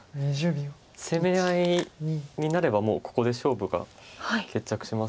攻め合いになればもうここで勝負が決着します。